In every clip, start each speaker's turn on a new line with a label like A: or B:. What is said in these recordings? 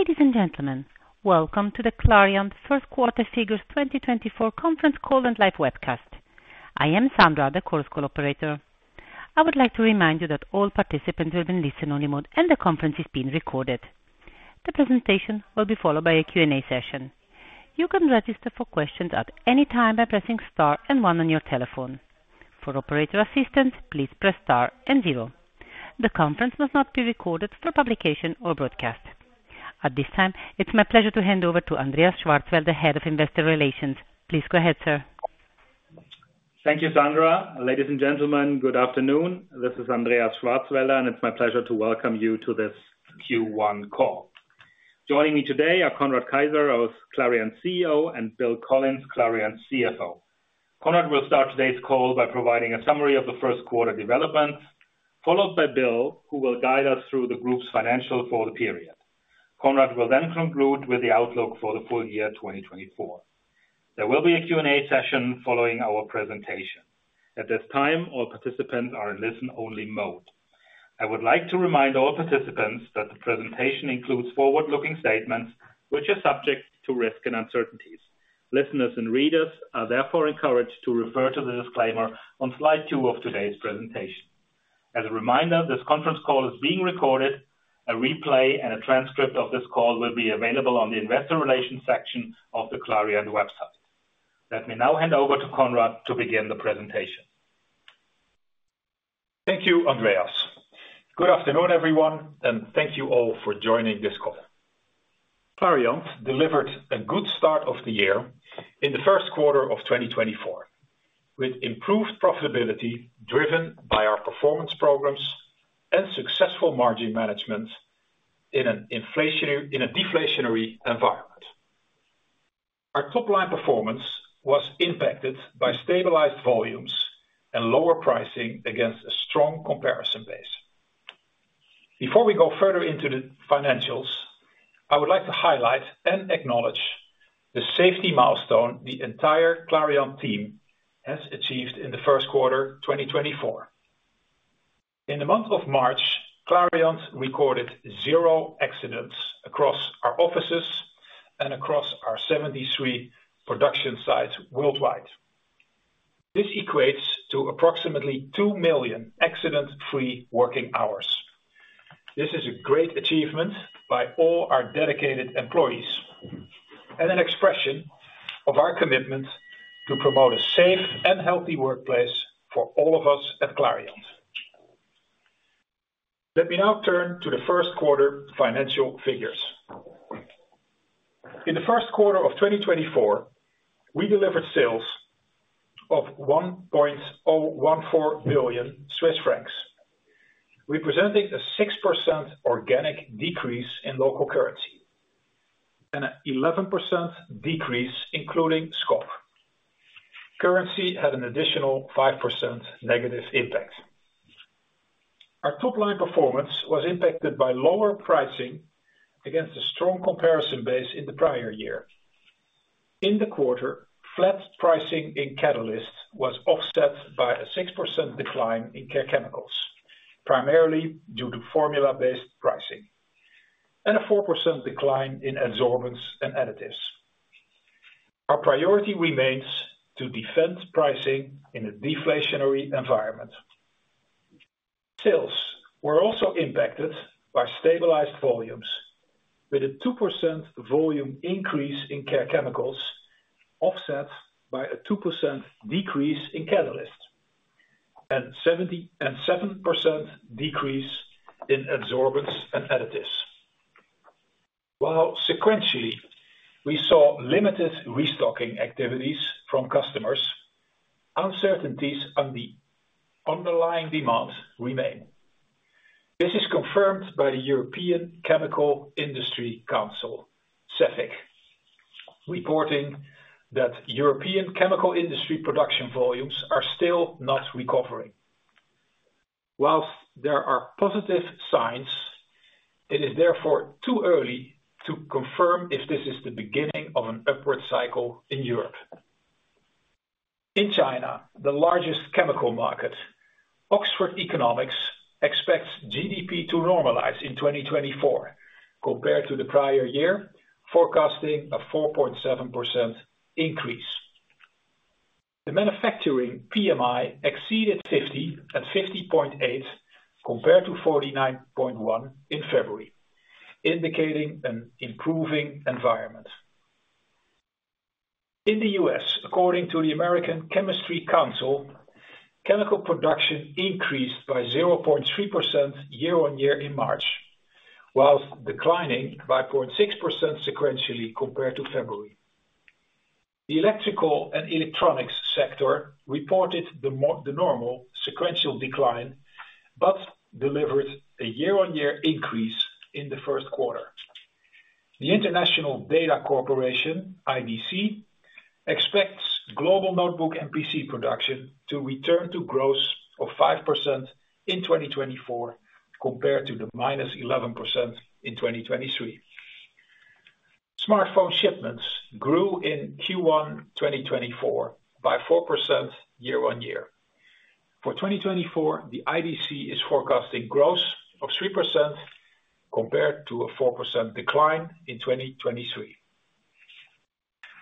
A: Ladies and gentlemen, welcome to the Clariant First Quarter Figures 2024 Conference Call and Live Webcast. I am Sandra, the conference call operator. I would like to remind you that all participants will be in listen-only mode, and the conference is being recorded. The presentation will be followed by a Q&A session. You can register for questions at any time by pressing star and one on your telephone. For operator assistance, please press star and zero. The conference must not be recorded for publication or broadcast. At this time, it's my pleasure to hand over to Andreas Schwarzwälder, the Head of Investor Relations. Please go ahead, sir.
B: Thank you, Sandra. Ladies and gentlemen, good afternoon. This is Andreas Schwarzwälder, and it's my pleasure to welcome you to this Q1 call. Joining me today are Conrad Keijzer, our Clariant CEO, and Bill Collins, Clariant CFO. Conrad will start today's call by providing a summary of the first quarter developments, followed by Bill, who will guide us through the group's financials for the period. Conrad will then conclude with the outlook for the full year 2024. There will be a Q&A session following our presentation. At this time, all participants are in listen-only mode. I would like to remind all participants that the presentation includes forward-looking statements which are subject to risk and uncertainties. Listeners and readers are therefore encouraged to refer to the disclaimer on slide 2 of today's presentation. As a reminder, this conference call is being recorded. A replay and a transcript of this call will be available on the investor relations section of the Clariant website. Let me now hand over to Conrad to begin the presentation.
C: Thank you, Andreas. Good afternoon, everyone, and thank you all for joining this call. Clariant delivered a good start of the year in the first quarter of 2024, with improved profitability driven by our performance programs and successful margin management in a deflationary environment. Our top line performance was impacted by stabilized volumes and lower pricing against a strong comparison base. Before we go further into the financials, I would like to highlight and acknowledge the safety milestone the entire Clariant team has achieved in the first quarter 2024. In the month of March, Clariant recorded zero accidents across our offices and across our 73 production sites worldwide. This equates to approximately 2 million accident-free working hours. This is a great achievement by all our dedicated employees and an expression of our commitment to promote a safe and healthy workplace for all of us at Clariant. Let me now turn to the first quarter financial figures. In the first quarter of 2024, we delivered sales of 1.014 billion Swiss francs, representing a 6% organic decrease in local currency and an 11% decrease, including scope. Currency had an additional 5% negative impact. Our top-line performance was impacted by lower pricing against a strong comparison base in the prior year. In the quarter, flat pricing in Catalysts was offset by a 6% decline in Care Chemicals, primarily due to formula-based pricing, and a 4% decline in Adsorbents and Additives. Our priority remains to defend pricing in a deflationary environment. Sales were also impacted by stabilized volumes, with a 2% volume increase in Care Chemicals, offset by a 2% decrease in Catalysts and 7% decrease in Adsorbents and Additives. While sequentially, we saw limited restocking activities from customers, uncertainties on the underlying demands remain. This is confirmed by the European Chemical Industry Council, CEFIC, reporting that European chemical industry production volumes are still not recovering. While there are positive signs, it is therefore too early to confirm if this is the beginning of an upward cycle in Europe. In China, the largest chemical market, Oxford Economics expects GDP to normalize in 2024 compared to the prior year, forecasting a 4.7% increase. The manufacturing PMI exceeded 50 at 50.8, compared to 49.1 in February, indicating an improving environment. In the U.S., according to the American Chemistry Council, chemical production increased by 0.3% year on year in March, while declining by 0.6% sequentially compared to February. The electrical and electronics sector reported the normal sequential decline, but delivered a year-on-year increase in the first quarter. The International Data Corporation, IDC, expects global notebook and PC production to return to growth of 5% in 2024, compared to the -11% in 2023....Smartphone shipments grew in Q1 2024 by 4% year-on-year. For 2024, the IDC is forecasting growth of 3% compared to a 4% decline in 2023.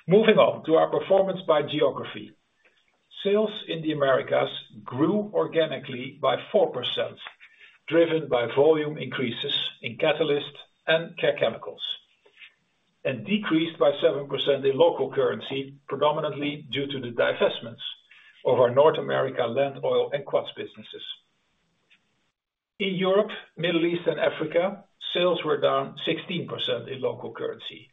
C: Moving on to our performance by geography. Sales in the Americas grew organically by 4%, driven by volume increases in Catalysts and Care Chemicals, and decreased by 7% in local currency, predominantly due to the divestments of our North American Land Oil and Quats businesses. In Europe, Middle East, and Africa, sales were down 16% in local currency,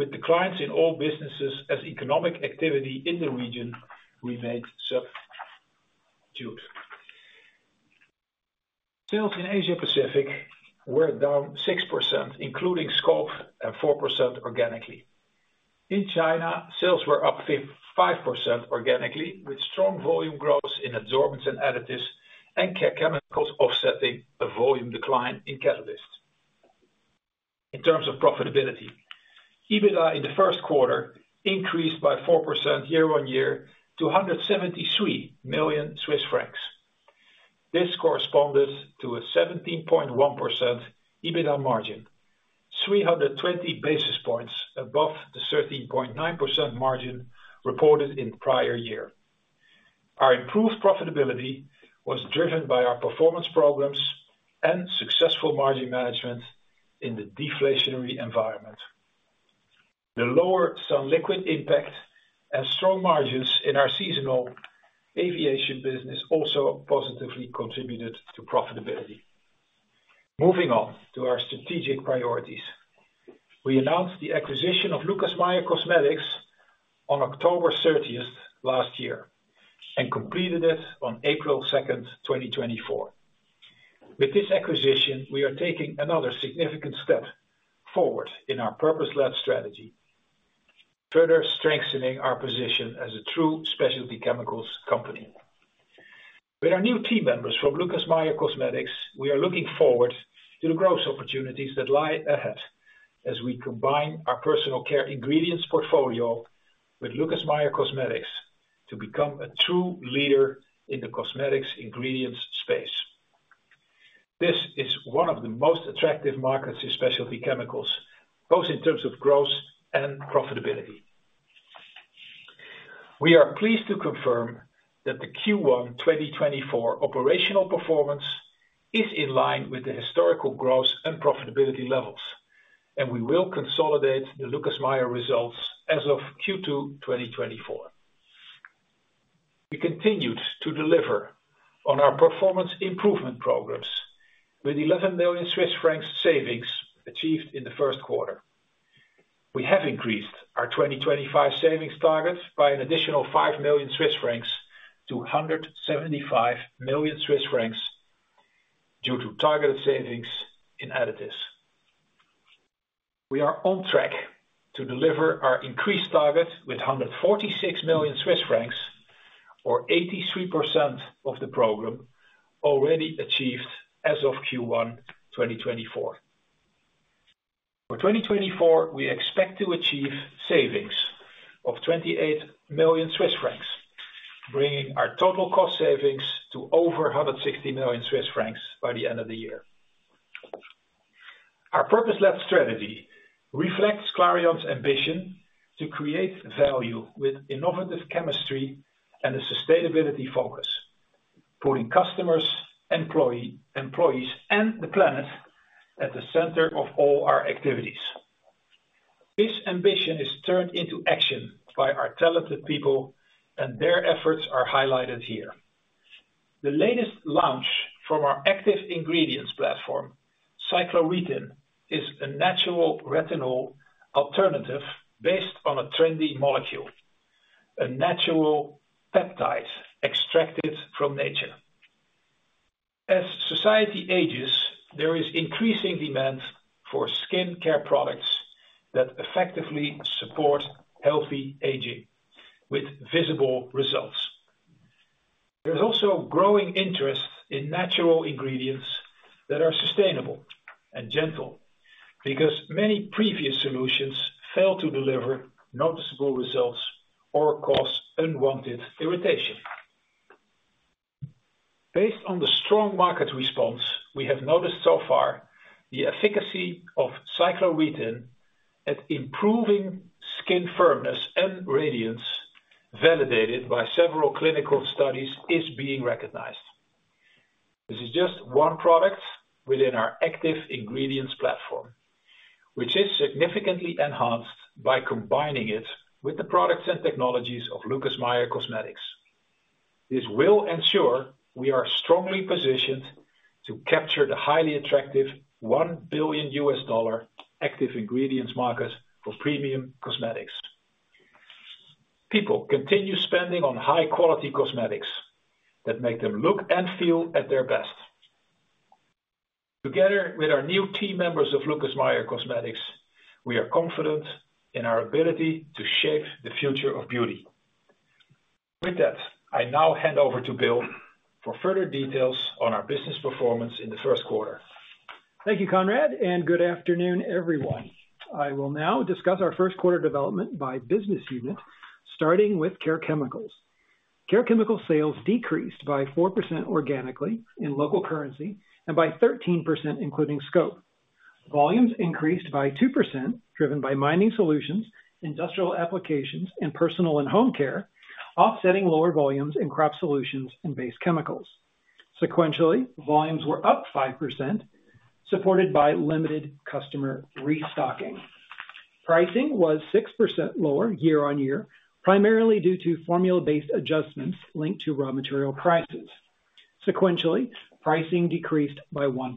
C: with declines in all businesses as economic activity in the region remained subdued. Sales in Asia Pacific were down 6%, including scope, and 4% organically. In China, sales were up 55% organically, with strong volume growth in Adsorbents and Additives, and Care Chemicals offsetting a volume decline in Catalysts. In terms of profitability, EBITDA in the first quarter increased by 4% year-on-year to 173 million Swiss francs. This corresponded to a 17.1% EBITDA margin, 320 basis points above the 13.9% margin reported in prior year. Our improved profitability was driven by our performance programs and successful margin management in the deflationary environment. The lower sunliquid impact and strong margins in our seasonal aviation business also positively contributed to profitability. Moving on to our strategic priorities. We announced the acquisition of Lucas Meyer Cosmetics on October 30th last year, and completed it on April 2nd, 2024. With this acquisition, we are taking another significant step forward in our purpose-led strategy, further strengthening our position as a true specialty chemicals company. With our new team members from Lucas Meyer Cosmetics, we are looking forward to the growth opportunities that lie ahead as we combine our personal care ingredients portfolio with Lucas Meyer Cosmetics to become a true leader in the cosmetics ingredients space. This is one of the most attractive markets in specialty chemicals, both in terms of growth and profitability. We are pleased to confirm that the Q1 2024 operational performance is in line with the historical growth and profitability levels, and we will consolidate the Lucas Meyer results as of Q2 2024. We continued to deliver on our performance improvement programs with 11 million Swiss francs savings achieved in the first quarter. We have increased our 2025 savings target by an additional 5 million Swiss francs to 175 million Swiss francs due to targeted savings in additives. We are on track to deliver our increased target with 146 million Swiss francs, or 83% of the program already achieved as of Q1 2024. For 2024, we expect to achieve savings of 28 million Swiss francs, bringing our total cost savings to over 160 million Swiss francs by the end of the year. Our purpose-led strategy reflects Clariant's ambition to create value with innovative chemistry and a sustainability focus, putting customers, employee, employees, and the planet at the center of all our activities. This ambition is turned into action by our talented people, and their efforts are highlighted here. The latest launch from our active ingredients platform, CycloRetin, is a natural retinol alternative based on a trendy molecule, a natural peptide extracted from nature. As society ages, there is increasing demand for skincare products that effectively support healthy aging with visible results. There's also growing interest in natural ingredients that are sustainable and gentle, because many previous solutions failed to deliver noticeable results or cause unwanted irritation. Based on the strong market response, we have noticed so far, the efficacy of CycloRetin at improving skin firmness and radiance, validated by several clinical studies, is being recognized. This is just one product within our active ingredients platform, which is significantly enhanced by combining it with the products and technologies of Lucas Meyer Cosmetics. This will ensure we are strongly positioned to capture the highly attractive $1 billion active ingredients market for premium cosmetics. People continue spending on high-quality cosmetics that make them look and feel at their best. Together with our new team members of Lucas Meyer Cosmetics, we are confident in our ability to shape the future of beauty.... With that, I now hand over to Bill for further details on our business performance in the first quarter.
D: Thank you, Conrad, and good afternoon, everyone. I will now discuss our first quarter development by business unit, starting with Care Chemicals. Care Chemicals sales decreased by 4% organically in local currency and by 13%, including scope. Volumes increased by 2%, driven by Mining Solutions, Industrial Applications, and Personal and Home Care, offsetting lower volumes in Crop Solutions and Base Chemicals. Sequentially, volumes were up 5%, supported by limited customer restocking. Pricing was 6% lower year-on-year, primarily due to formula-based adjustments linked to raw material prices. Sequentially, pricing decreased by 1%.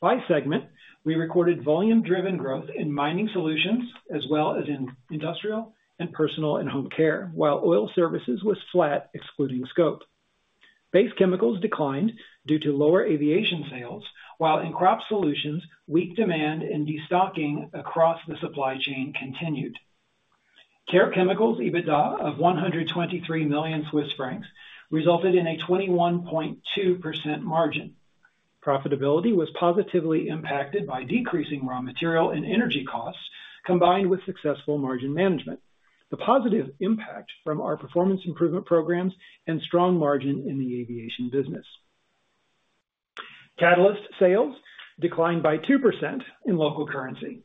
D: By segment, we recorded volume-driven growth in Mining Solutions, as well as in industrial and Personal and Home Care, while Oil Services was flat, excluding scope. Base Chemicals declined due to lower aviation sales, while in Crop Solutions, weak demand and destocking across the supply chain continued. Care Chemicals EBITDA of 123 million Swiss francs resulted in a 21.2% margin. Profitability was positively impacted by decreasing raw material and energy costs, combined with successful margin management, the positive impact from our performance improvement programs and strong margin in the aviation business. Catalyst sales declined by 2% in local currency.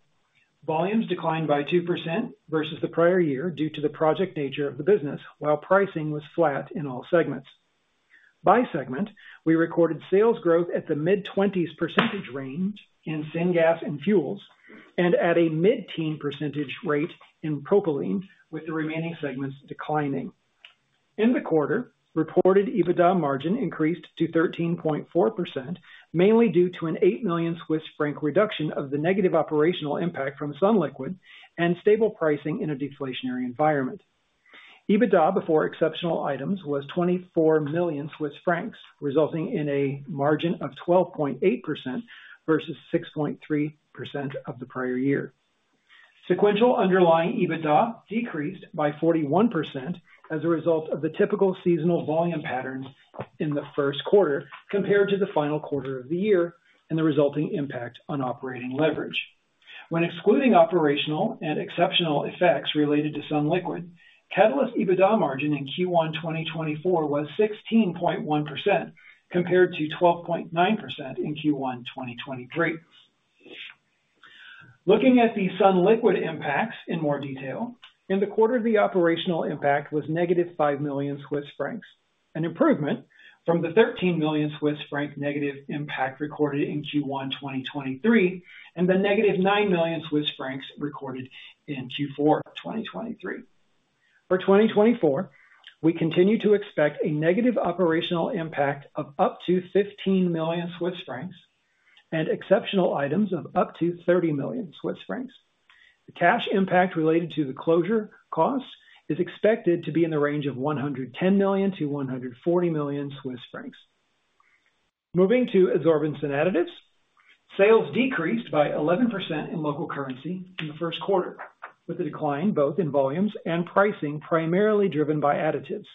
D: Volumes declined by 2% versus the prior year due to the project nature of the business, while pricing was flat in all segments. By segment, we recorded sales growth at the mid-20s% range in Syngas and Fuels, and at a mid-teens% rate in propylene, with the remaining segments declining. In the quarter, reported EBITDA margin increased to 13.4%, mainly due to a 8 million Swiss franc reduction of the negative operational impact from sunliquid and stable pricing in a deflationary environment. EBITDA, before exceptional items, was 24 million Swiss francs, resulting in a margin of 12.8% versus 6.3% of the prior year. Sequential underlying EBITDA decreased by 41% as a result of the typical seasonal volume patterns in the first quarter compared to the final quarter of the year, and the resulting impact on operating leverage. When excluding operational and exceptional effects related to sunliquid, Catalyst EBITDA margin in Q1 2024 was 16.1%, compared to 12.9% in Q1 2023. Looking at the sunliquid impacts in more detail, in the quarter, the operational impact was negative 5 million Swiss francs, an improvement from the 13 million Swiss franc negative impact recorded in Q1 2023, and the negative 9 million Swiss francs recorded in Q4 2023. For 2024, we continue to expect a negative operational impact of up to 15 million Swiss francs and exceptional items of up to 30 million Swiss francs. The cash impact related to the closure costs is expected to be in the range of 110 million-140 million Swiss francs. Moving to Adsorbents and Additives, sales decreased by 11% in local currency in the first quarter, with a decline both in volumes and pricing, primarily driven by additives.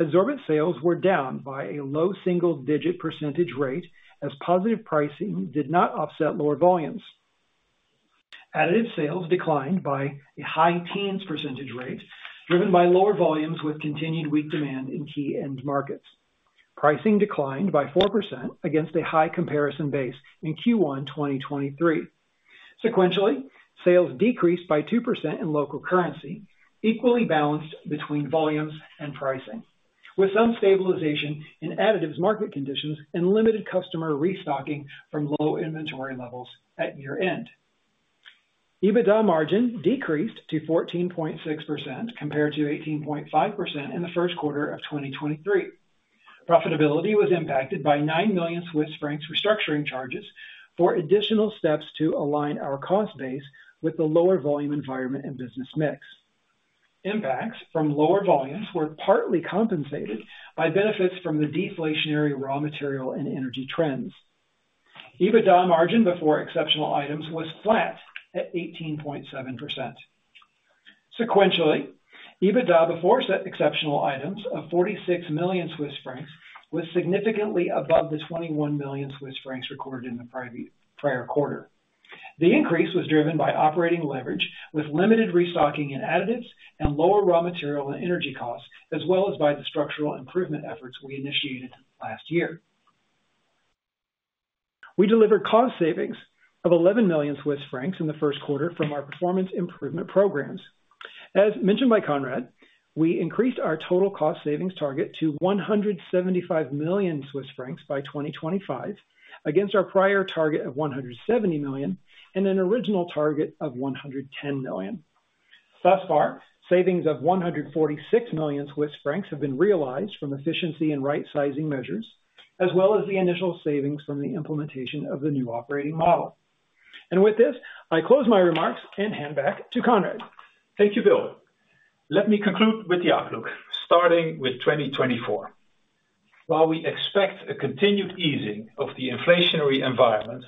D: Adsorbent sales were down by a low single-digit percentage rate, as positive pricing did not offset lower volumes. Additive sales declined by a high teens percentage rate, driven by lower volumes with continued weak demand in key end markets. Pricing declined by 4% against a high comparison base in Q1 2023. Sequentially, sales decreased by 2% in local currency, equally balanced between volumes and pricing, with some stabilization in additives market conditions and limited customer restocking from low inventory levels at year-end. EBITDA margin decreased to 14.6%, compared to 18.5% in the first quarter of 2023. Profitability was impacted by 9 million Swiss francs restructuring charges for additional steps to align our cost base with the lower volume environment and business mix. Impacts from lower volumes were partly compensated by benefits from the deflationary raw material and energy trends. EBITDA margin, before exceptional items, was flat at 18.7%. Sequentially, EBITDA, before set exceptional items of 46 million Swiss francs, was significantly above the 21 million Swiss francs recorded in the prior quarter. The increase was driven by operating leverage, with limited restocking and additives and lower raw material and energy costs, as well as by the structural improvement efforts we initiated last year. We delivered cost savings of 11 million Swiss francs in the first quarter from our performance improvement programs. As mentioned by Conrad, we increased our total cost savings target to 175 million Swiss francs by 2025, against our prior target of 170 million and an original target of 110 million. Thus far, savings of 146 million Swiss francs have been realized from efficiency and right-sizing measures, as well as the initial savings from the implementation of the new operating model. With this, I close my remarks and hand back to Conrad.
C: Thank you, Bill. Let me conclude with the outlook, starting with 2024. While we expect a continued easing of the inflationary environment,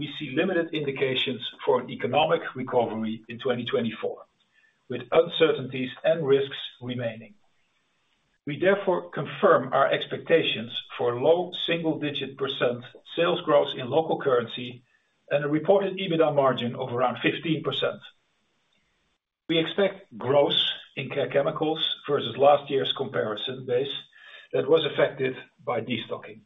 C: we see limited indications for an economic recovery in 2024, with uncertainties and risks remaining. We therefore confirm our expectations for low single-digit % sales growth in local currency and a reported EBITDA margin of around 15%. We expect growth in Care Chemicals versus last year's comparison base that was affected by destocking.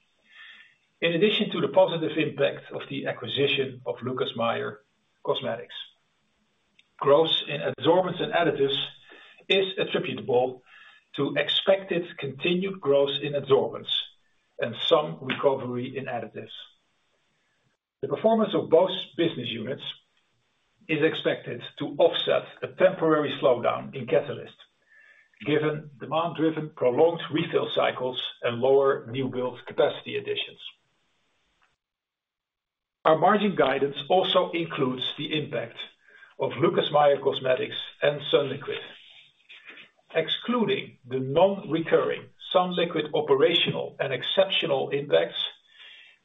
C: In addition to the positive impact of the acquisition of Lucas Meyer Cosmetics, growth in Adsorbents and Additives is attributable to expected continued growth in Adsorbents and some recovery in Additives. The performance of both business units is expected to offset a temporary slowdown in Catalysts, given demand driven, prolonged refill cycles and lower new build capacity additions. Our margin guidance also includes the impact of Lucas Meyer Cosmetics and sunliquid. Excluding the non-recurring sunliquid operational and exceptional impacts,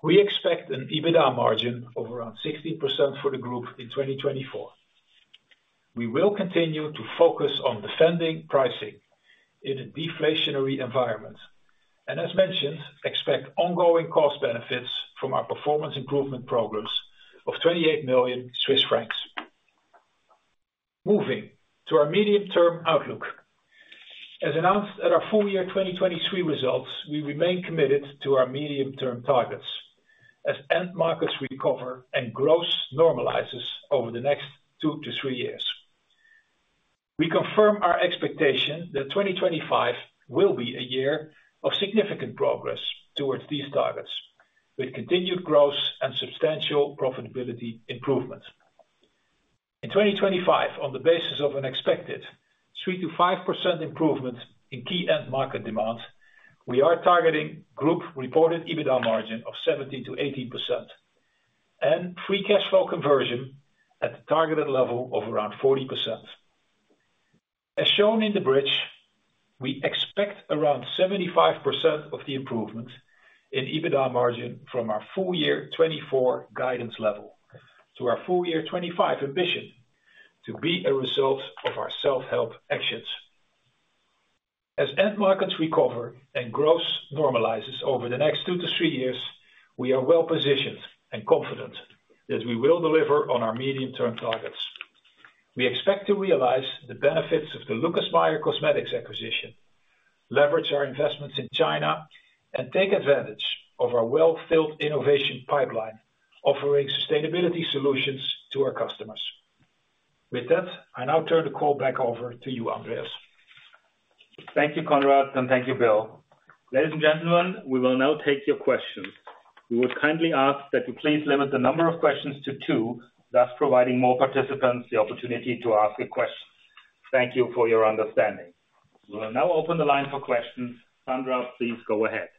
C: we expect an EBITDA margin of around 16% for the group in 2024. We will continue to focus on defending pricing in a deflationary environment and as mentioned, expect ongoing cost benefits from our performance improvement programs of 28 million Swiss francs. Moving to our medium term outlook. As announced at our full year 2023 results, we remain committed to our medium term targets as end markets recover and growth normalizes over the next 2-3 years. We confirm our expectation that 2025 will be a year of significant progress towards these targets, with continued growth and substantial profitability improvement. In 2025, on the basis of an expected 3%-5% improvement in key end market demand, we are targeting group reported EBITDA margin of 17%-18% and free cash flow conversion at the targeted level of around 40%. As shown in the bridge, we expect around 75% of the improvement in EBITDA margin from our full year 2024 guidance level to our full year 2025 ambition to be a result of our self-help actions. As end markets recover and growth normalizes over the next 2-3 years, we are well positioned and confident that we will deliver on our medium-term targets. We expect to realize the benefits of the Lucas Meyer Cosmetics acquisition, leverage our investments in China, and take advantage of our well-filled innovation pipeline, offering sustainability solutions to our customers. With that, I now turn the call back over to you, Andreas.
B: Thank you, Conrad, and thank you, Bill. Ladies and gentlemen, we will now take your questions. We would kindly ask that you please limit the number of questions to two, thus providing more participants the opportunity to ask a question. Thank you for your understanding. We will now open the line for questions. Sandra, please go ahead.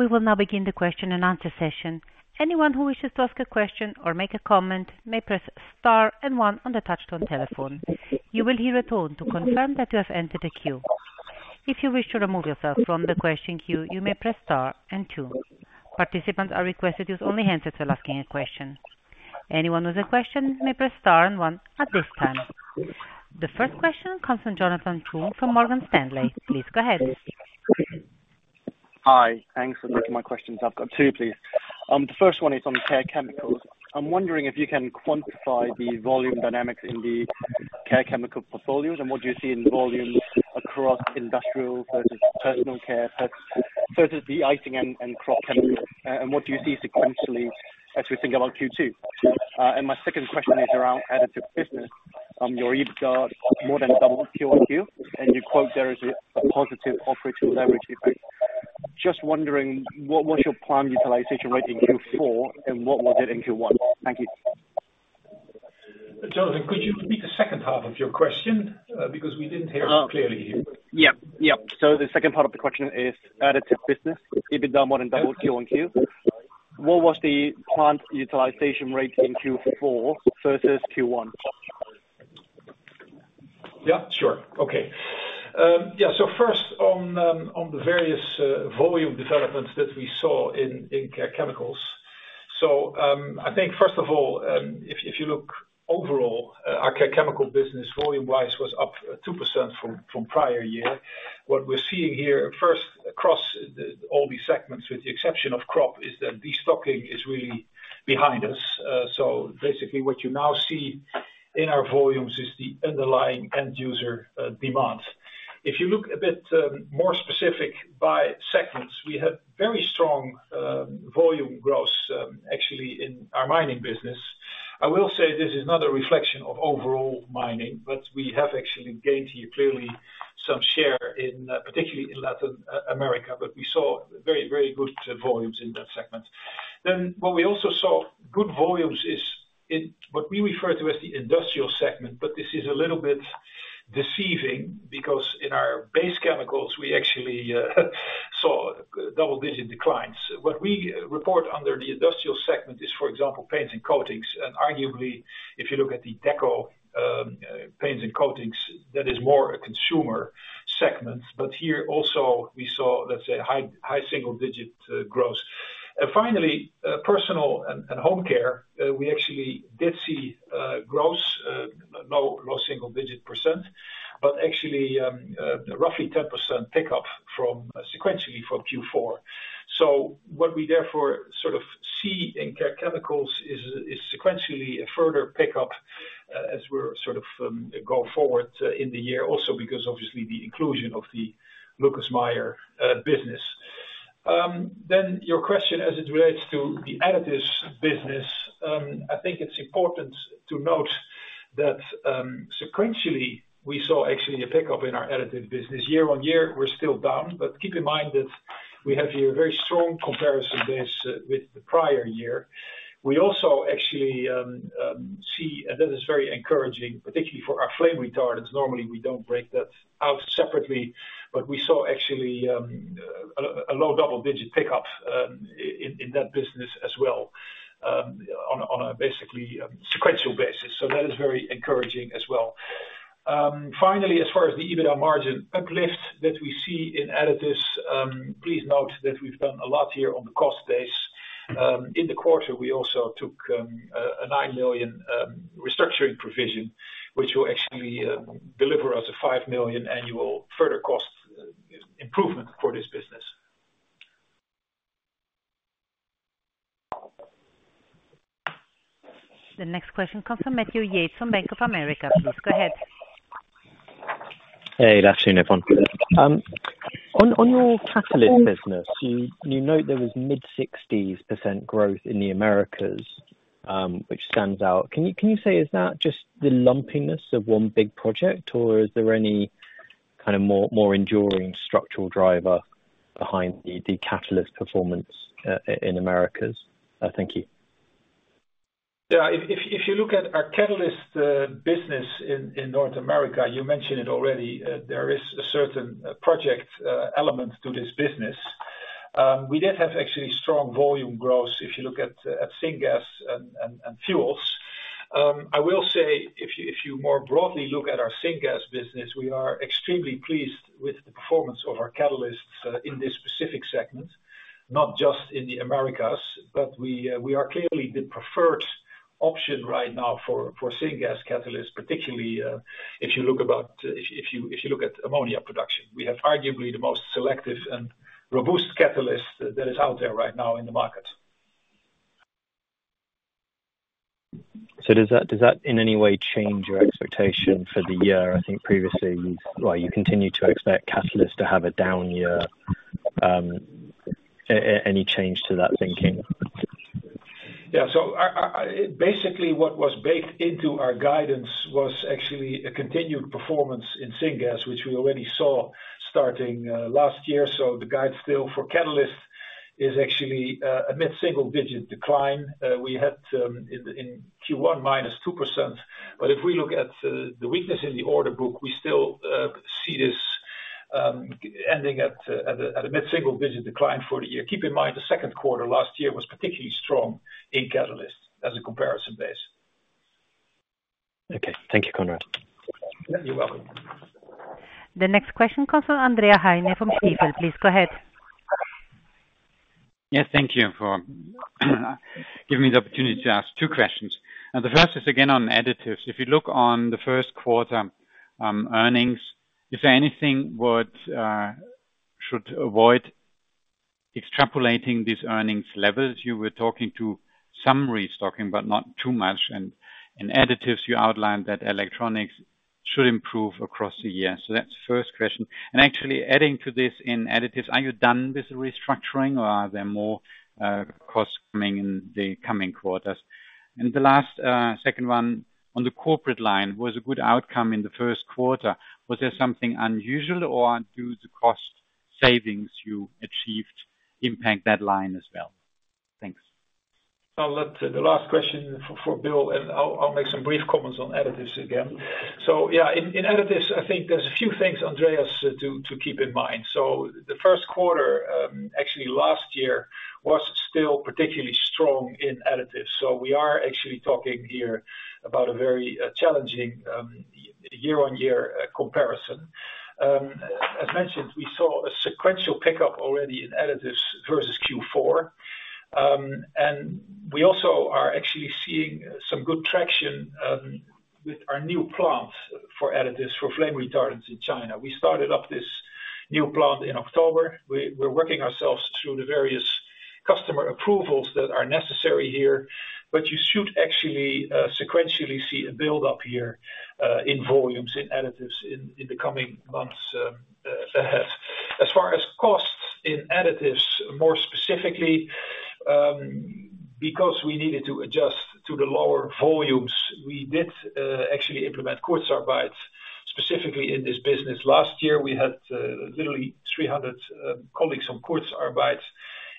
A: We will now begin the question and answer session. Anyone who wishes to ask a question or make a comment may press star and one on the touchtone telephone. You will hear a tone to confirm that you have entered the queue. If you wish to remove yourself from the question queue, you may press star and two. Participants are requested to use only hands if they're asking a question. Anyone with a question may press star and one at this time. The first question comes from Jonathan Chu from Morgan Stanley. Please go ahead.
E: Hi, thanks for taking my questions. I've got two, please. The first one is on Care Chemicals. I'm wondering if you can quantify the volume dynamics in the Care Chemicals portfolios, and what do you see in volumes across industrial versus personal care versus de-icing and crop chemicals? And what do you see sequentially as we think about Q2? And my second question is around Additives business. Your EBITDA more than doubled Q1 Q, and you quote there is a positive operational leverage effect. Just wondering, what was your plant utilization rate in Q4 and what was it in Q1? Thank you.
C: Jonathan, could you repeat the second half of your question? Because we didn't hear it clearly here.
E: Yeah. Yep. So the second part of the question is Additives business. EBITDA more than doubled Q1 Q. What was the plant utilization rate in Q4 versus Q1?
C: Yeah, sure. Okay. Yeah, so first on the various volume developments that we saw in Care Chemicals. So, I think first of all, if you look overall, our Care Chemicals business, volume wise, was up 2% from prior year. What we're seeing here, first across all these segments, with the exception of crop, is that destocking is really behind us. So basically what you now see in our volumes is the underlying end user demand. If you look a bit more specific by segments, we have very strong volume growth, actually in our mining business. I will say this is not a reflection of overall mining, but we have actually gained here clearly some share in, particularly in Latin America. But we saw very, very good volumes in that segment. Then what we also saw good volumes is in what we refer to as the industrial segment, but this is a little bit deceiving, because in our Base Chemicals we actually saw a double-digit declines. What we report under the industrial segment is, for example, paints and coatings, and arguably, if you look at the deco, paints and coatings, that is more a consumer segment. But here also, we saw, let's say, high, high single-digit, gross. And finally, personal and, and home care, we actually did see, gross, low, low single-digit percent, but actually, roughly 10% pickup from sequentially from Q4. So what we therefore sort of see in Care Chemicals is sequentially a further pickup, as we're sort of go forward in the year also because obviously the inclusion of the Lucas Meyer business. Then your question as it relates to the Additives business, I think it's important to note that, sequentially, we saw actually a pickup in our Additives business. Year-on-year, we're still down, but keep in mind that we have a very strong comparison base with the prior year. We also actually see, and that is very encouraging, particularly for our flame retardants. Normally, we don't break that out separately, but we saw actually a low double-digit pickup in that business as well, on a basically sequential basis. So that is very encouraging as well. Finally, as far as the EBITDA margin uplift that we see in Additives, please note that we've done a lot here on the cost base. In the quarter, we also took a 9 million restructuring provision, which will actually deliver us a 5 million annual further cost improvement for this business.
A: The next question comes from Matthew Yates, from Bank of America. Please go ahead.
F: Hey, good afternoon, everyone. On your catalyst business, you note there was mid-60s% growth in the Americas, which stands out. Can you say, is that just the lumpiness of one big project, or is there any kind of more enduring structural driver behind the catalyst performance in Americas? Thank you.
C: Yeah, if, if, if you look at our catalyst business in North America, you mentioned it already, there is a certain project element to this business. We did have actually strong volume growth if you look at Syngas and Fuels. I will say, if you, if you more broadly look at our syngas business, we are extremely pleased with the performance of our catalysts in this specific segment, not just in the Americas, but we, we are clearly the preferred option right now for syngas catalysts, particularly, if you look about, if, if you, if you look at ammonia production. We have arguably the most selective and robust catalyst that is out there right now in the market.
F: So does that, does that in any way change your expectation for the year? I think previously, you, well, you continued to expect Catalysts to have a down year. Any change to that thinking?
C: Yeah. So our basically, what was baked into our guidance was actually a continued performance in syngas, which we already saw starting last year. So the guide still for catalyst is actually a mid-single digit decline. We had in Q1, -2%, but if we look at the weakness in the order book, we still see this ending at a mid-single digit decline for the year. Keep in mind, the second quarter last year was particularly strong in catalyst as a comparison base.
F: Okay. Thank you, Conrad.
C: You're welcome.
A: The next question comes from Andreas Heine from Stifel. Please go ahead.
G: Yes, thank you for giving me the opportunity to ask two questions. And the first is, again, on additives. If you look on the first quarter earnings, is there anything what should avoid extrapolating these earnings levels? You were talking to some restocking, but not too much, and in additives, you outlined that electronics should improve across the year. So that's first question. And actually, adding to this, in additives, are you done with the restructuring or are there more costs coming in the coming quarters? And the last second one, on the corporate line, was a good outcome in the first quarter. Was there something unusual or do the cost savings you achieved impact that line as well? Thanks.
C: I'll let the last question for Bill, and I'll make some brief comments on additives again. So yeah, in additives, I think there's a few things, Andreas, to keep in mind. So the first quarter, actually last year, was still particularly strong in additives, so we are actually talking here about a very challenging year-on-year comparison. As mentioned, we saw a sequential pickup already in additives versus Q4. And we also are actually seeing some good traction with our new plant for additives, for flame retardants in China. We started up this new plant in October. We're working ourselves through the various customer approvals that are necessary here, but you should actually sequentially see a buildup here in volumes in additives in the coming months ahead. As far as costs in additives, more specifically, because we needed to adjust to the lower volumes, we did, actually implement Kurzarbeit, specifically in this business. Last year, we had, literally 300, colleagues on Kurzarbeit....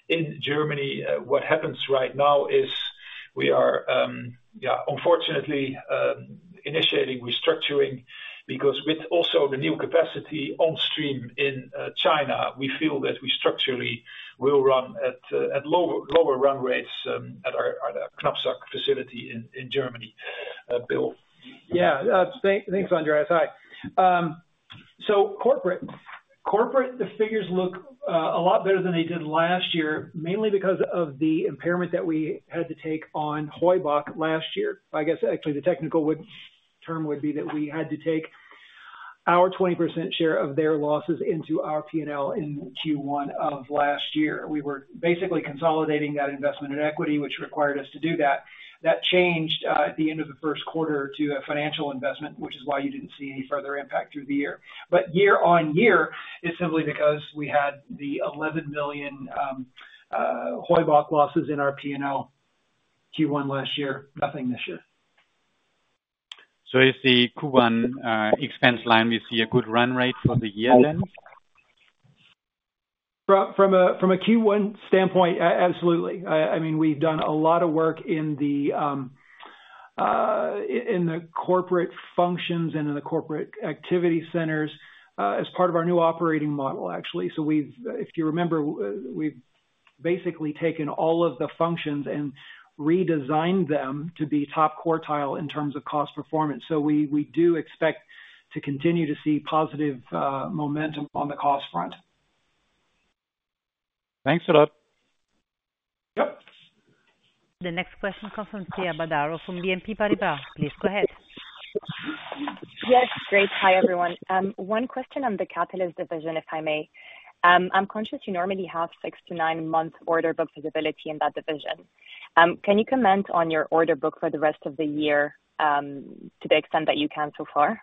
C: In Germany, what happens right now is we are, unfortunately, initiating restructuring, because with also the new capacity on stream in, China, we feel that we structurally will run at, at lower, lower run rates, at our, at our Knapsack facility in, in Germany. Bill?
D: Yeah, thanks, Andreas. Hi. So corporate, the figures look a lot better than they did last year, mainly because of the impairment that we had to take on Heubach last year. I guess, actually, the technical term would be that we had to take our 20% share of their losses into our P&L in Q1 of last year. We were basically consolidating that investment in equity, which required us to do that. That changed at the end of the first quarter to a financial investment, which is why you didn't see any further impact through the year. But year-on-year, it's simply because we had the 11 billion Heubach losses in our P&L Q1 last year, nothing this year.
G: Is the Q1 expense line we see a good run rate for the year then?
D: From a Q1 standpoint, absolutely. I mean, we've done a lot of work in the corporate functions and in the corporate activity centers as part of our new operating model, actually. So we've... If you remember, we've basically taken all of the functions and redesigned them to be top quartile in terms of cost performance. So we do expect to continue to see positive momentum on the cost front.
G: Thanks a lot.
D: Yep.
A: The next question comes from Thea Badaro from BNP Paribas. Please go ahead.
H: Yes, great. Hi, everyone. One question on the catalyst division, if I may. I'm conscious you normally have 6-9 months order book visibility in that division. Can you comment on your order book for the rest of the year, to the extent that you can so far?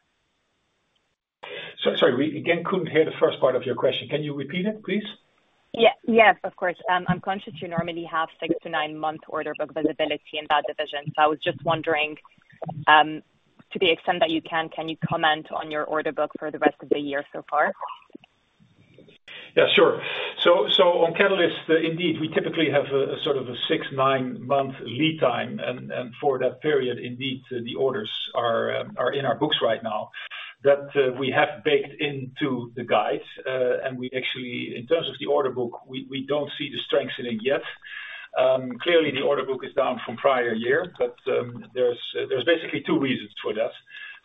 C: Sorry, we again couldn't hear the first part of your question. Can you repeat it, please?
H: Yeah, yes, of course. I'm conscious you normally have 6-9 months order book visibility in that division. So I was just wondering, to the extent that you can, can you comment on your order book for the rest of the year so far?
C: Yeah, sure. So on Catalysts, indeed, we typically have a sort of a 6-9-month lead time, and for that period, indeed, the orders are in our books right now that we have baked into the guide. And we actually, in terms of the order book, we don't see the strengthening yet. Clearly, the order book is down from prior year, but there's basically two reasons for that.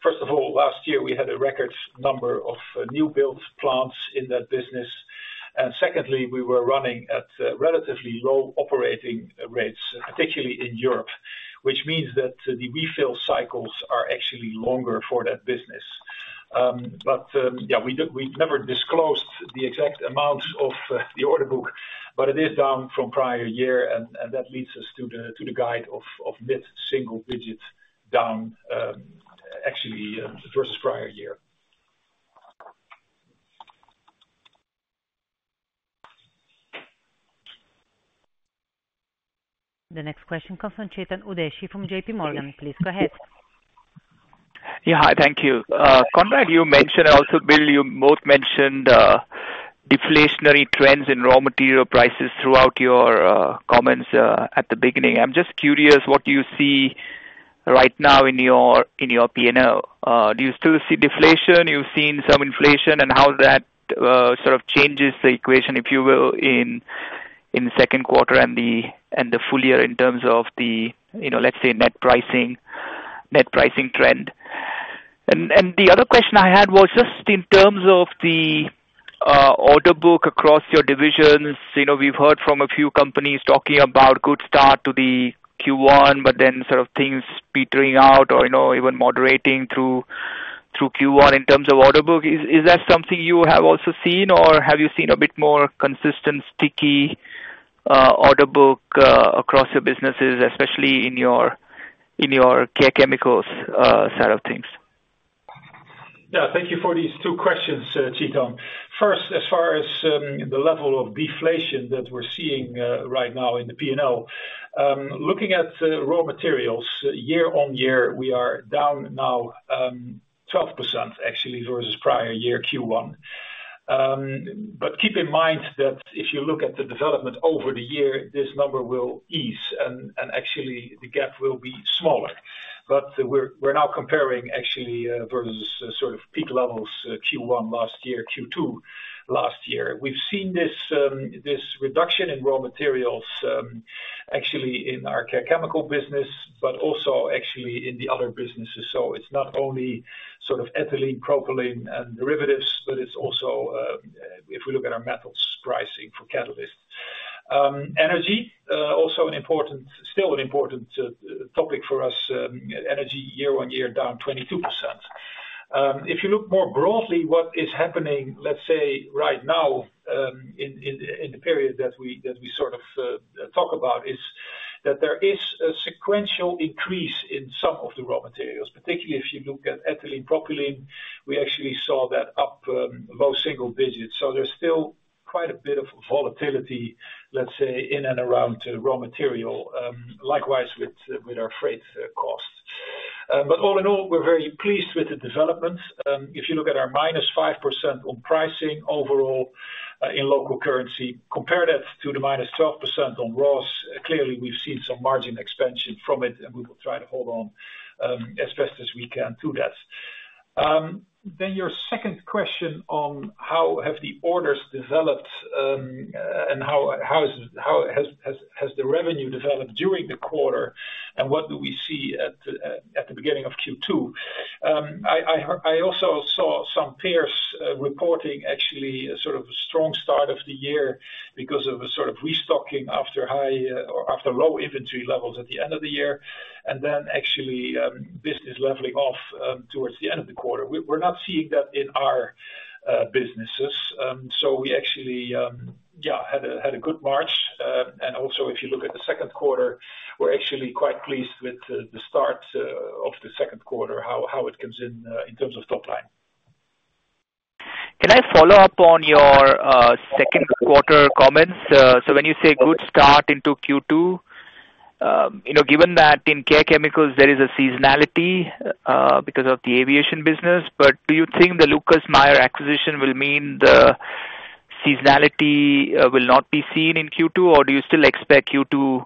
C: First of all, last year, we had a record number of new builds, plants in that business. And secondly, we were running at relatively low operating rates, particularly in Europe, which means that the refill cycles are actually longer for that business. But, yeah, we've never disclosed the exact amounts of the order book, but it is down from prior year, and that leads us to the guide of mid-single digits down, actually, versus prior year.
A: The next question comes from Chetan Udeshi from JP Morgan. Please go ahead.
I: Yeah. Hi, thank you. Conrad, you mentioned, and also Bill, you both mentioned deflationary trends in raw material prices throughout your comments at the beginning. I'm just curious, what do you see right now in your, in your P&L? Do you still see deflation? You've seen some inflation, and how that sort of changes the equation, if you will, in the second quarter and the full year in terms of the, you know, let's say, net pricing, net pricing trend? And the other question I had was just in terms of the order book across your divisions. You know, we've heard from a few companies talking about good start to the Q1, but then sort of things petering out or, you know, even moderating through Q1 in terms of order book. Is that something you have also seen, or have you seen a bit more consistent, sticky order book across your businesses, especially in your Care Chemicals side of things?
C: Yeah, thank you for these two questions, Chetan. First, as far as the level of deflation that we're seeing right now in the P&L, looking at raw materials, year-on-year, we are down now 12%, actually, versus prior year Q1. But keep in mind that if you look at the development over the year, this number will ease, and actually, the gap will be smaller. But we're now comparing actually versus sort of peak levels, Q1 last year, Q2 last year. We've seen this reduction in raw materials actually in our chemical business, but also actually in the other businesses. So it's not only sort of ethylene, propylene and derivatives, but it's also if we look at our metals pricing for catalyst. Energy, also an important, still an important, topic for us, energy year on year down 22%. If you look more broadly, what is happening, let's say right now, in the period that we sort of talk about, is that there is a sequential increase in some of the raw materials, particularly if you look at ethylene, Propylene, we actually saw that up, low single digits. So there's still quite a bit of volatility, let's say, in and around raw material, likewise with our freight costs. But all in all, we're very pleased with the development. If you look at our -5% on pricing overall, in local currency, compare that to the -12% on raw, clearly we've seen some margin expansion from it, and we will try to hold on, as best as we can to that. Then your second question on how have the orders developed, and how has the revenue developed during the quarter, and what do we see at the beginning of Q2? I also saw some peers reporting actually a sort of a strong start of the year because of a sort of restocking after high or after low inventory levels at the end of the year, and then actually business leveling off towards the end of the quarter. We're not seeing that in our businesses. So we actually had a good March. And also, if you look at the second quarter, we're actually quite pleased with the start of the second quarter, how it comes in in terms of top line.
I: Can I follow up on your second quarter comments? So when you say good start into Q2, you know, given that in Care Chemicals, there is a seasonality, because of the aviation business, but do you think the Lucas Meyer acquisition will mean the seasonality will not be seen in Q2? Or do you still expect Q2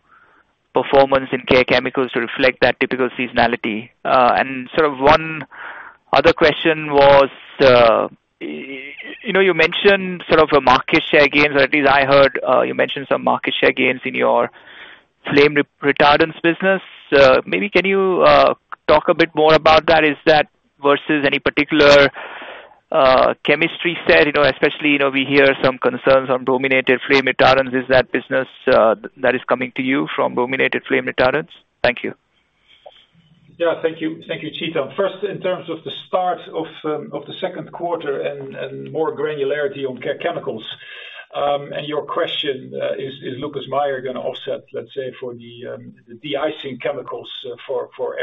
I: performance in Care Chemicals to reflect that typical seasonality? And sort of one other question was, you know, you mentioned sort of a market share gains, or at least I heard, you mention some market share gains in your flame retardance business. Maybe can you talk a bit more about that? Is that versus any particular chemistry set, you know, especially, you know, we hear some concerns on brominated flame retardants. Is that business, that is coming to you from brominated flame retardants? Thank you.
C: Yeah, thank you, thank you, Chetan. First, in terms of the start of the second quarter and more granularity on Care Chemicals, and your question, is Lucas Meyer gonna offset, let's say, for the de-icing chemicals for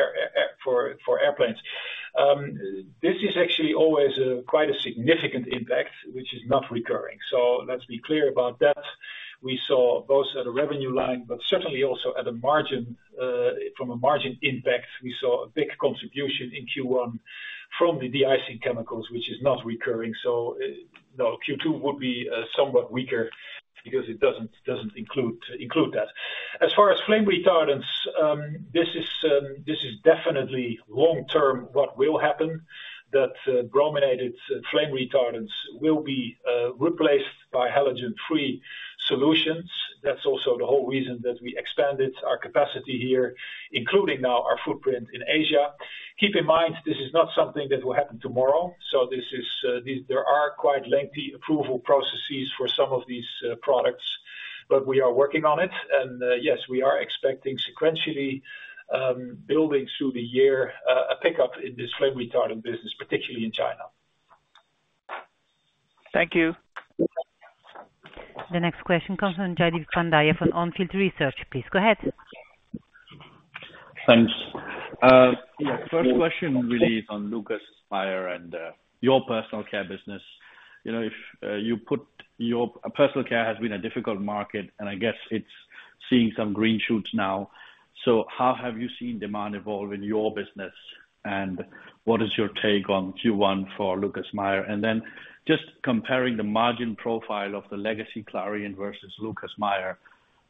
C: airplanes. This is actually always quite a significant impact, which is not recurring. So let's be clear about that. We saw both at a revenue line, but certainly also at a margin, from a margin impact, we saw a big contribution in Q1 from the de-icing chemicals, which is not recurring. So, no, Q2 would be somewhat weaker because it doesn't include that. As far as flame retardants, this is definitely long term, what will happen, that brominated flame retardants will be replaced by halogen-free solutions. That's also the whole reason that we expanded our capacity here, including now our footprint in Asia. Keep in mind, this is not something that will happen tomorrow, so this is, there are quite lengthy approval processes for some of these, products, but we are working on it. And, yes, we are expecting sequentially, building through the year, a pickup in this flame retardant business, particularly in China.
I: Thank you.
A: The next question comes from Jaideep Pandya, from On Field Research. Please, go ahead.
J: Thanks. Yeah, first question really is on Lucas Meyer and your personal care business. You know, personal care has been a difficult market, and I guess it's seeing some green shoots now. So how have you seen demand evolve in your business, and what is your take on Q1 for Lucas Meyer? And then just comparing the margin profile of the legacy Clariant versus Lucas Meyer,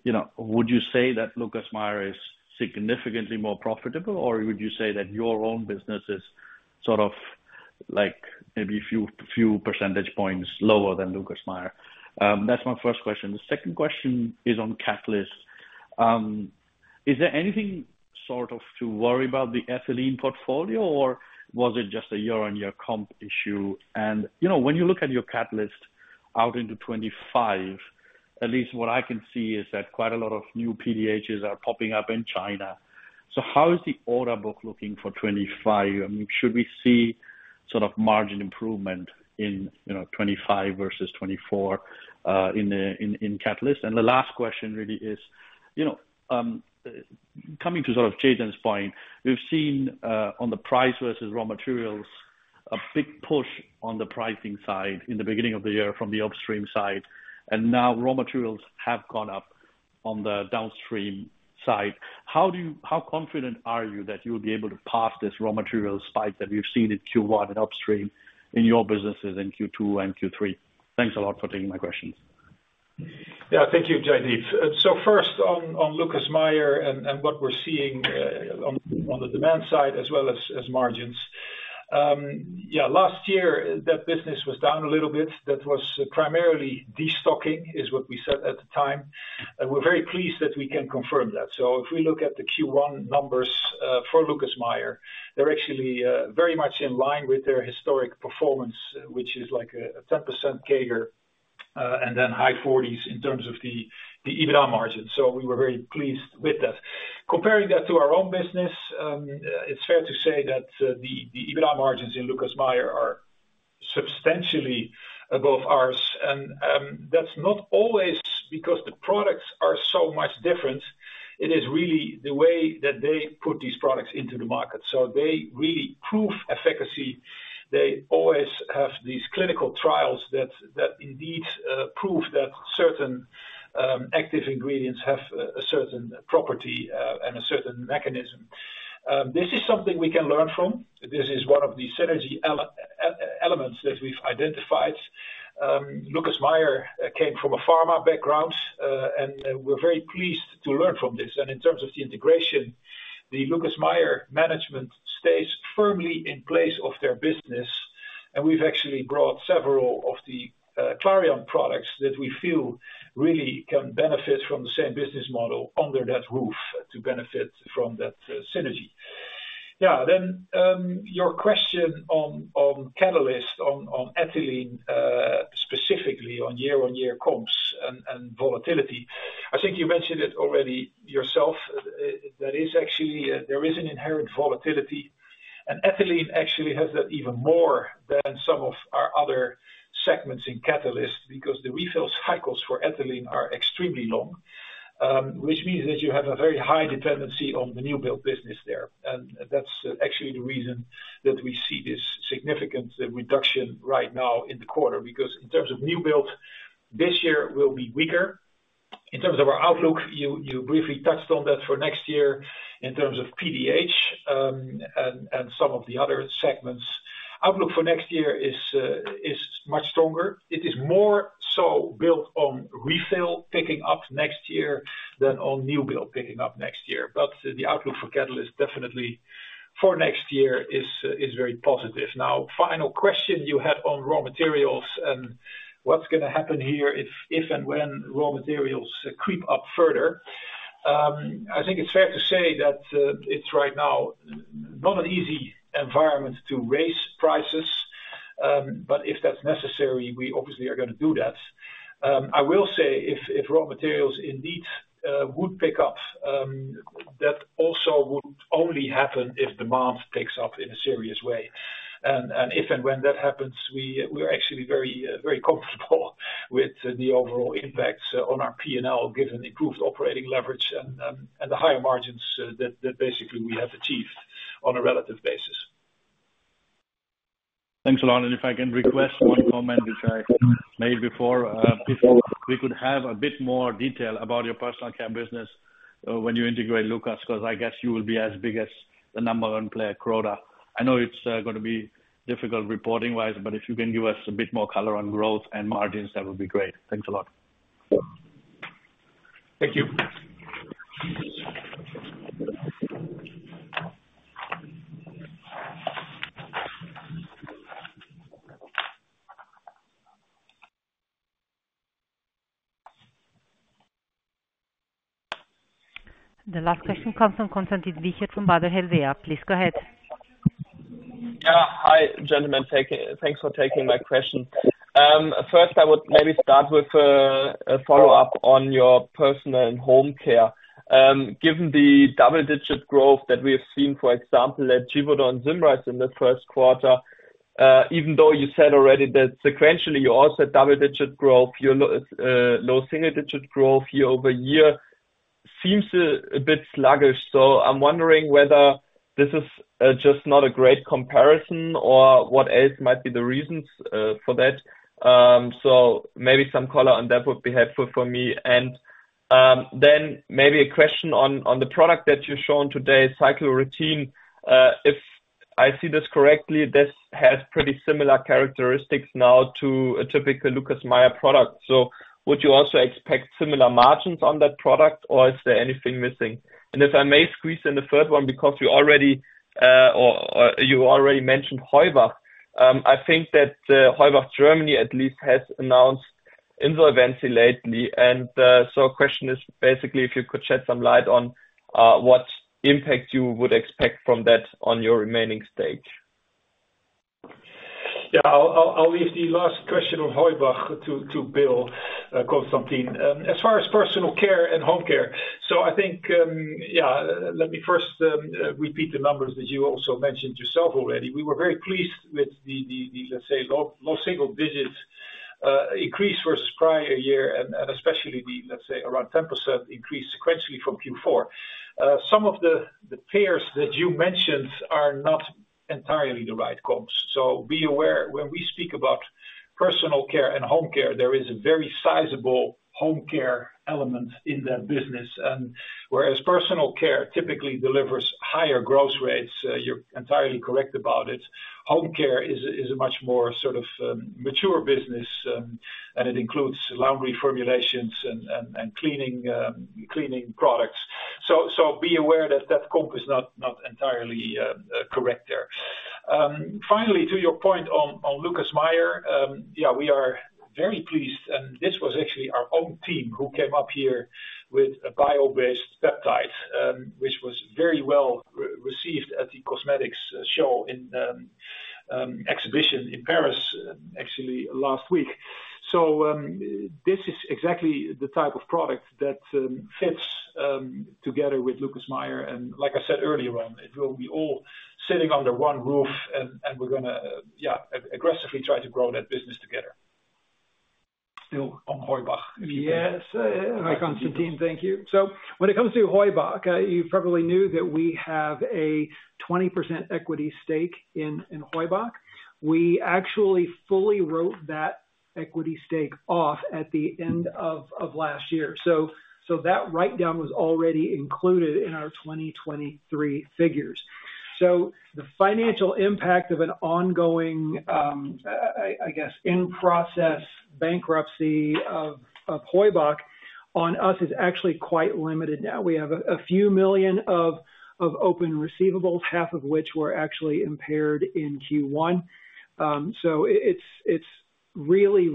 J: you know, would you say that Lucas Meyer is significantly more profitable, or would you say that your own business is sort of like maybe a few, few percentage points lower than Lucas Meyer? That's my first question. The second question is on Catalyst. Is there anything sort of to worry about the ethylene portfolio, or was it just a year-on-year comp issue? You know, when you look at your catalyst out into 2025, at least what I can see is that quite a lot of new PDHs are popping up in China. So how is the order book looking for 2025? I mean, should we see sort of margin improvement in, you know, 2025 versus 2024 in Catalysts? And the last question really is, you know, coming to sort of Jaideep's point, we've seen on the price versus raw materials, a big push on the pricing side in the beginning of the year from the upstream side, and now raw materials have gone up on the downstream side. How confident are you that you will be able to pass this raw material spike that we've seen in Q1 and upstream in your businesses in Q2 and Q3? Thanks a lot for taking my questions.
C: Yeah, thank you, Jaideep. So first on Lucas Meyer and what we're seeing on the demand side as well as margins. Yeah, last year, that business was down a little bit. That was primarily destocking, is what we said at the time, and we're very pleased that we can confirm that. So if we look at the Q1 numbers for Lucas Meyer, they're actually very much in line with their historic performance, which is like a 10% CAGR and then high 40s% in terms of the EBITDA margin. So we were very pleased with that. Comparing that to our own business, it's fair to say that the EBITDA margins in Lucas Meyer are substantially above ours, and that's not always because the products are so much different. It is really the way that they put these products into the market, so they really prove efficacy. They always have these clinical trials that, that indeed, prove that certain, active ingredients have a, a certain property, and a certain mechanism. This is something we can learn from. This is one of the synergy elements that we've identified. Lucas Meyer came from a pharma background, and, and we're very pleased to learn from this. And in terms of the integration, the Lucas Meyer management stays firmly in place of their business, and we've actually brought several of the, Clariant products that we feel really can benefit from the same business model under that roof to benefit from that, synergy. Now, then, your question on, on catalyst, on, on ethylene, specifically on year-on-year comps and, and volatility. I think you mentioned it already yourself, that is actually, there is an inherent volatility, and ethylene actually has that even more than some of our other segments in Catalysts, because the refill cycles for ethylene are extremely long. Which means that you have a very high dependency on the new build business there. And that's actually the reason that we see this significant reduction right now in the quarter, because in terms of new build, this year will be weaker. In terms of our outlook, you, you briefly touched on that for next year in terms of PDH, and, and some of the other segments. Outlook for next year is, is much stronger. It is more so built on refill picking up next year, than on new build picking up next year. But the outlook for Catalysts definitely for next year is, is very positive. Now, final question you had on raw materials and what's gonna happen here if, if and when raw materials creep up further. I think it's fair to say that, it's right now not an easy environment to raise prices, but if that's necessary, we obviously are gonna do that. I will say, if, if raw materials indeed, would pick up, that also would only happen if demand picks up in a serious way. And, and if and when that happens, we, we're actually very, very comfortable with the overall impacts on our P&L, given improved operating leverage and, and the higher margins, that, that basically we have achieved on a relative basis.
D: Thanks a lot. If I can request one comment, which I made before. If we could have a bit more detail about your personal care business, when you integrate Lucas, 'cause I guess you will be as big as the number one player, Croda. I know it's gonna be difficult reporting-wise, but if you can give us a bit more color on growth and margins, that would be great. Thanks a lot.
C: Thank you.
A: The last question comes from Konstantin Wiechert from Baader Helvea. Please go ahead.
K: Yeah. Hi, gentlemen. Thank, thanks for taking my question. First I would maybe start with a follow-up on your Personal and Home Care. Given the double digit growth that we have seen, for example, at Givaudan and Symrise in the first quarter, even though you said already that sequentially, you also had double digit growth, your low single digit growth year-over-year seems a bit sluggish. So I'm wondering whether this is just not a great comparison or what else might be the reasons for that? So maybe some color on that would be helpful for me. And then maybe a question on the product that you've shown today, CycloRetin. If I see this correctly, this has pretty similar characteristics now to a typical Lucas Meyer product. So would you also expect similar margins on that product, or is there anything missing? And if I may squeeze in a third one, because you already mentioned Heubach. I think that Heubach, Germany, at least, has announced in the events lately, and so question is basically, if you could shed some light on what impact you would expect from that on your remaining stake?
C: Yeah, I'll leave the last question on Heubach to Bill, Konstantin. As far as personal care and home care, so I think, yeah, let me first repeat the numbers that you also mentioned yourself already. We were very pleased with the, let's say, low single digits increase versus prior year, and especially the, let's say, around 10% increase sequentially from Q4. Some of the peers that you mentioned are not entirely the right comps. So be aware, when we speak about personal care and home care, there is a very sizable home care element in that business. And whereas personal care typically delivers higher growth rates, you're entirely correct about it, home care is a much more sort of mature business, and it includes laundry formulations and cleaning products. So be aware that that comp is not entirely correct there. Finally, to your point on Lucas Meyer, yeah, we are very pleased, and this was actually our own team who came up here with a bio-based peptide, which was very well received at the cosmetics show exhibition in Paris, actually last week. So this is exactly the type of product that fits together with Lucas Meyer, and like I said earlier on, it will be all sitting under one roof and we're gonna yeah, aggressively try to grow that business together. Still on Heubach, if you can.
D: Yes, hi, Konstantin. Thank you. So when it comes to Heubach, you probably knew that we have a 20% equity stake in Heubach. We actually fully wrote that equity stake off at the end of last year. So that write down was already included in our 2023 figures. So the financial impact of an ongoing, I guess, in-process bankruptcy of Heubach on us is actually quite limited now. We have a few million CHF of open receivables, half of which were actually impaired in Q1. So it's really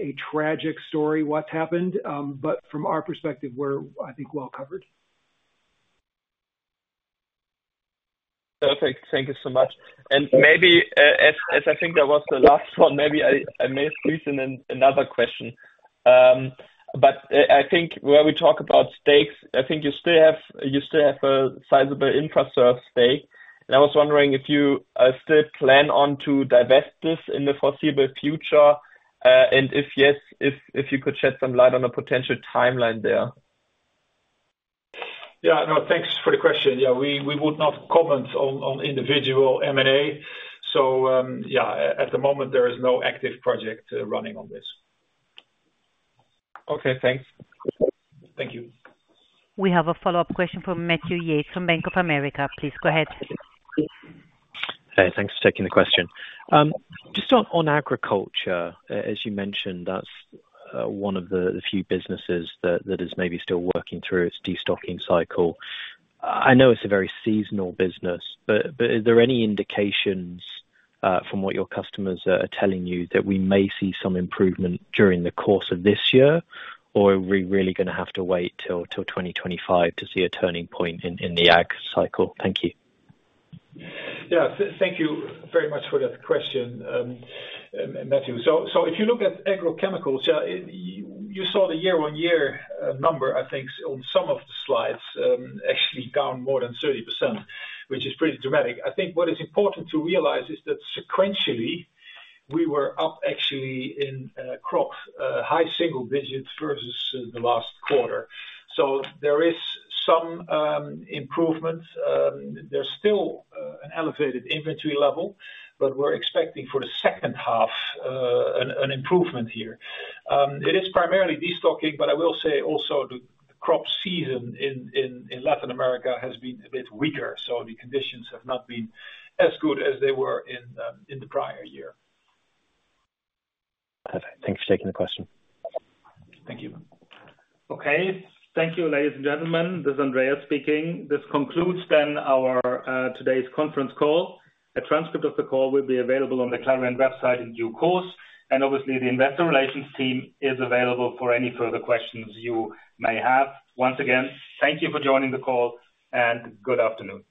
D: a tragic story what's happened. But from our perspective, we're, I think, well covered.
K: Perfect. Thank you so much. And maybe, as I think that was the last one, maybe I may squeeze in another question. But I think where we talk about stakes, I think you still have, you still have a sizable infrastructure stake. And I was wondering if you still plan on to divest this in the foreseeable future, and if yes, if you could shed some light on a potential timeline there?
C: Yeah, no, thanks for the question. Yeah, we would not comment on individual M&A. So, yeah, at the moment, there is no active project running on this.
K: Okay, thanks.
C: Thank you.
A: We have a follow-up question from Matthew Yates from Bank of America. Please go ahead.
F: Hey, thanks for taking the question. Just on agriculture, as you mentioned, that's one of the few businesses that is maybe still working through its destocking cycle. I know it's a very seasonal business, but are there any indications from what your customers are telling you that we may see some improvement during the course of this year? Or are we really gonna have to wait till 2025 to see a turning point in the ag cycle? Thank you.
C: Yeah, thank you very much for that question, Matthew. So, if you look at agrochemicals, you saw the year-on-year number, I think, on some of the slides, actually down more than 30%, which is pretty dramatic. I think what is important to realize is that sequentially, we were up actually in crop high single digits versus the last quarter. So there is some improvement. There's still an elevated inventory level, but we're expecting for the second half an improvement here. It is primarily destocking, but I will say also the crop season in Latin America has been a bit weaker, so the conditions have not been as good as they were in the prior year.
F: Perfect. Thank you for taking the question.
C: Thank you.
B: Okay. Thank you, ladies and gentlemen, this is Andreas speaking. This concludes then our today's conference call. A transcript of the call will be available on the Clariant website in due course, and obviously, the investor relations team is available for any further questions you may have. Once again, thank you for joining the call, and good afternoon.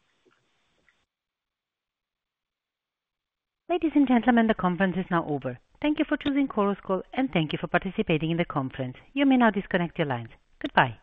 A: Ladies and gentlemen, the conference is now over. Thank you for choosing Chorus Call, and thank you for participating in the conference. You may now disconnect your lines. Goodbye.